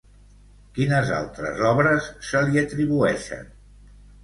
Quines altres obres se li atribueixen?